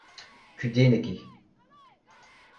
Kudennek eo.